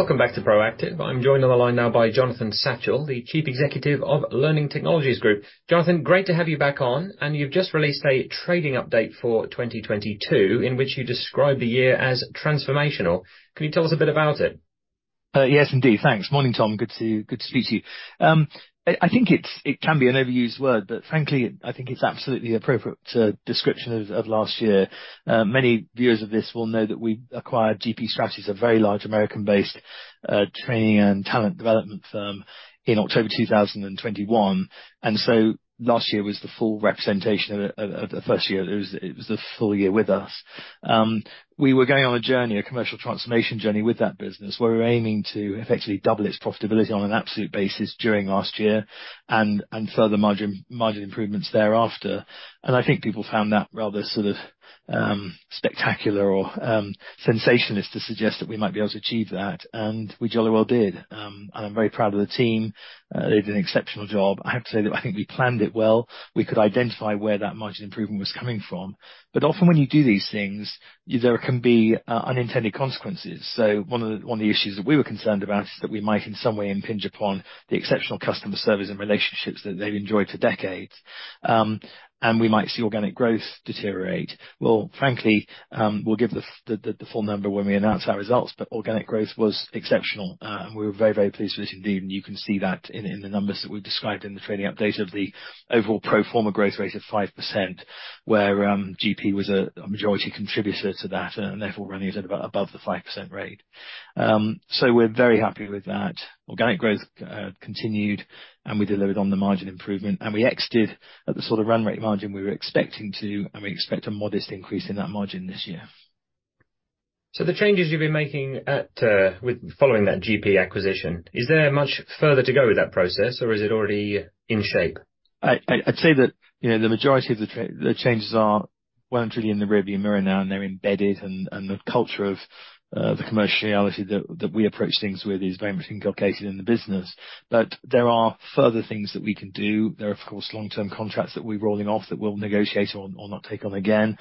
Welcome back to Proactive. I'm joined on the line now by Jonathan Satchell, the Chief Executive of Learning Technologies Group. Jonathan, great to have you back on. You've just released a trading update for 2022, in which you describe the year as transformational. Can you tell us a bit about it? Yes, indeed. Thanks. Morning, Tom. Good to speak to you. I think it can be an overused word, but frankly, I think it's absolutely appropriate to description of last year. Many viewers of this will know that we acquired GP Strategies, a very large American-based training and talent development firm in October 2021. Last year was the full representation of it, of the first year. It was the full year with us. We were going on a journey, a commercial transformation journey with that business, where we were aiming to effectively double its profitability on an absolute basis during last year and further margin improvements thereafter. I think people found that rather sort of spectacular or sensationalist to suggest that we might be able to achieve that, and we jolly well did. I'm very proud of the team. They did an exceptional job. I have to say that I think we planned it well. We could identify where that margin improvement was coming from. Often when you do these things, there can be unintended consequences. One of the issues that we were concerned about is that we might in some way impinge upon the exceptional customer service and relationships that they'd enjoyed for decades. We might see organic growth deteriorate. Well, frankly, we'll give the full number when we announce our results, but organic growth was exceptional. We were very, very pleased with it indeed, and you can see that in the numbers that we described in the trading update of the overall pro forma growth rate of 5%, where GP was a majority contributor to that, and therefore running at about above the 5% rate. We're very happy with that. Organic growth continued, and we delivered on the margin improvement, and we exited at the sort of run rate margin we were expecting to, and we expect a modest increase in that margin this year. The changes you've been making at, with following that GP acquisition, is there much further to go with that process, or is it already in shape? I'd say that, you know, the majority of the changes are well and truly in the rear view mirror now and they're embedded, and the culture of the commerciality that we approach things with is very much inculcated in the business. There are further things that we can do. There are, of course, long-term contracts that we're rolling off that we'll negotiate or not take on again.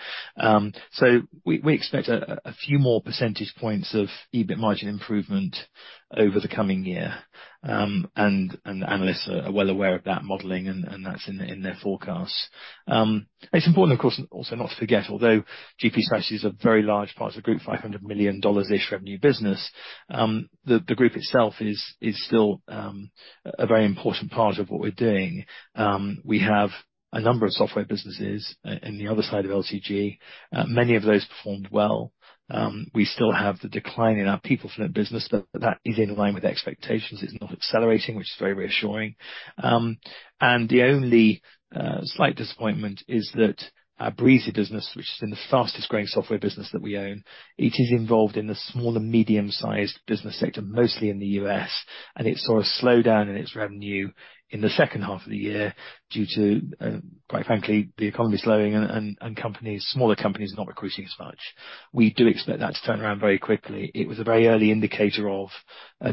We expect a few more percentage points of EBIT margin improvement over the coming year. The analysts are well aware of that modeling and that's in their forecasts. It's important, of course, also not to forget, although GP Strategies is a very large part of the group, $500 million-ish revenue business, the group itself is still a very important part of what we're doing. We have a number of software businesses in the other side of LTG. Many of those performed well. We still have the decline in our PeopleFluent business, but that is in line with expectations. It's not accelerating, which is very reassuring. The only slight disappointment is that our Breezy business, which is in the fastest-growing software business that we own, it is involved in the small to medium-sized business sector, mostly in the U.S., and it saw a slowdown in its revenue in the second half of the year due to, quite frankly, the economy slowing and companies, smaller companies not recruiting as much. We do expect that to turn around very quickly. It was a very early indicator of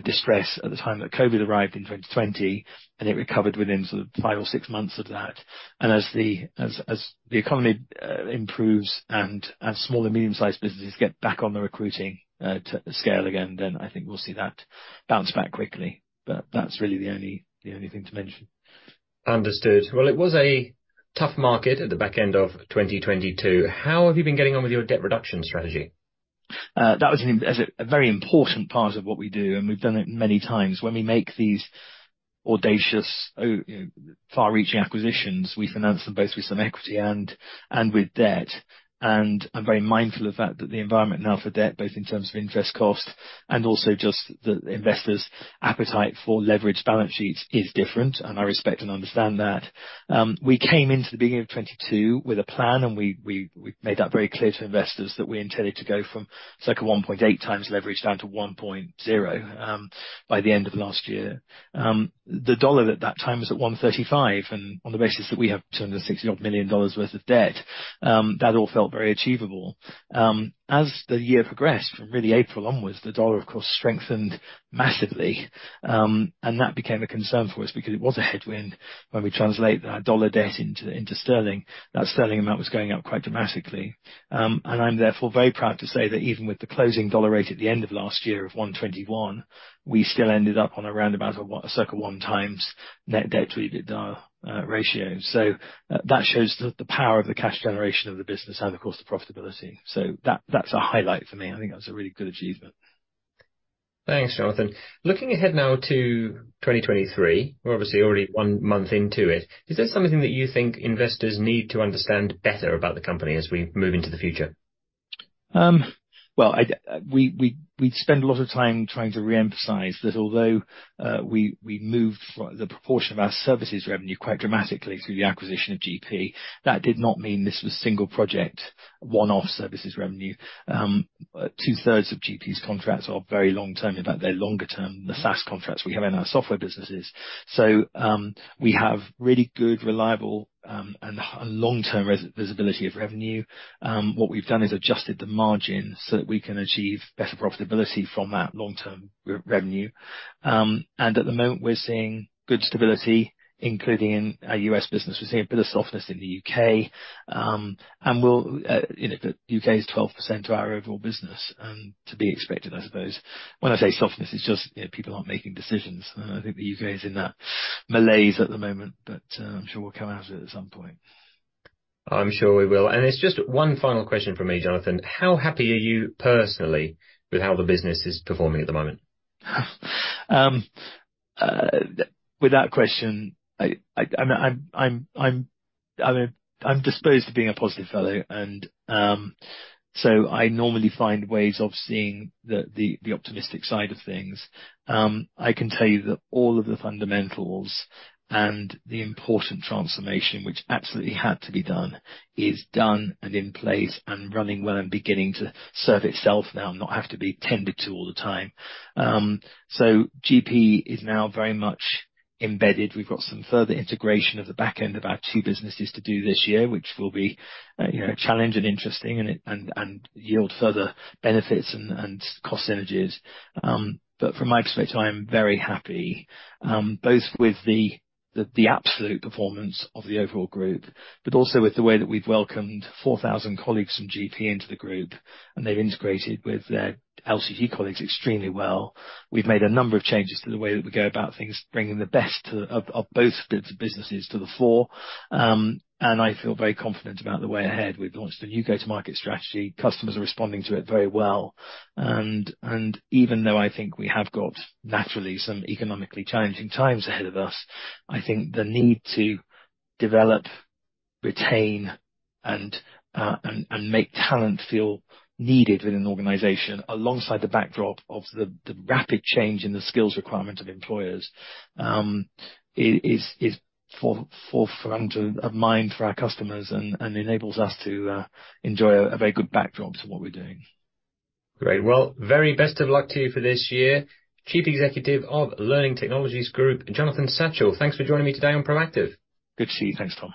distress at the time that Covid arrived in 2020, and it recovered within sort of five or six months of that. As the economy improves and as small and medium-sized businesses get back on the recruiting to scale again, I think we'll see that bounce back quickly. That's really the only thing to mention. Understood. Well, it was a tough market at the back end of 2022. How have you been getting on with your debt reduction strategy? That was a very important part of what we do. We've done it many times. When we make these audacious, you know, far-reaching acquisitions, we finance them both with some equity and with debt. I'm very mindful of that the environment now for debt, both in terms of interest costs and also just the investors' appetite for leveraged balance sheets is different. I respect and understand that. We came into the beginning of 2022 with a plan, we made that very clear to investors that we intended to go from circa 1.8x leverage down to 1.0 by the end of last year. The dollar at that time was at 1.35, and on the basis that we have $260 million worth of debt, that all felt very achievable. As the year progressed, from really April onwards, the dollar of course strengthened massively, and that became a concern for us because it was a headwind when we translate our dollar debt into sterling. That sterling amount was going up quite dramatically. I'm therefore very proud to say that even with the closing dollar rate at the end of last year of 1.21, we still ended up on a round about a circa 1x net debt to EBITDA ratio. That shows the power of the cash generation of the business and of course the profitability. That's a highlight for me. I think that's a really good achievement. Thanks, Jonathan. Looking ahead now to 2023, we're obviously already 1 month into it. Is there something that you think investors need to understand better about the company as we move into the future? Well, I, we spend a lot of time trying to re-emphasize that although, we moved the proportion of our services revenue quite dramatically through the acquisition of GP, that did not mean this was single project, one-off services revenue. Two-thirds of GP's contracts are very long-term. In fact, they're longer term, the SaaS contracts we have in our software businesses. We have really good, reliable, and long-term visibility of revenue. What we've done is adjusted the margin so that we can achieve better profitability from that long-term revenue. At the moment, we're seeing good stability, including in our U.S. business. We're seeing a bit of softness in the U.K., we'll, you know, the U.K. is 12% of our overall business, and to be expected, I suppose. When I say softness, it's just, you know, people aren't making decisions. I think the U.K. is in that malaise at the moment. I'm sure we'll come out of it at some point. I'm sure we will. It's just one final question from me, Jonathan. How happy are you personally with how the business is performing at the moment? With that question, I'm disposed to being a positive fellow and I normally find ways of seeing the optimistic side of things. I can tell you that all of the fundamentals and the important transformation which absolutely had to be done is done and in place and running well and beginning to serve itself now and not have to be tended to all the time. GP is now very much embedded. We've got some further integration of the back end of our two businesses to do this year, which will be, you know, a challenge and interesting, and yield further benefits and cost synergies. From my perspective, I am very happy, both with the absolute performance of the overall group, but also with the way that we've welcomed 4,000 colleagues from GP into the group, and they've integrated with their LTG colleagues extremely well. We've made a number of changes to the way that we go about things, bringing the best of both bits of businesses to the fore. I feel very confident about the way ahead. We've launched a new go-to-market strategy. Customers are responding to it very well. Even though I think we have got naturally some economically challenging times ahead of us, I think the need to develop, retain, and make talent feel needed in an organization alongside the backdrop of the rapid change in the skills requirement of employers, is forefront of mind for our customers and enables us to enjoy a very good backdrop to what we're doing. Great. Well, very best of luck to you for this year. Chief Executive of Learning Technologies Group, Jonathan Satchell, thanks for joining me today on Proactive. Good to see you. Thanks, Tom.